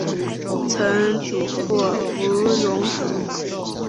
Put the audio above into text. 曾祖父吴荣祖。